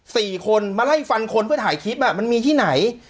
สี่คนมาไล่ฟันคนเพื่อถ่ายคลิปอ่ะมันมีที่ไหน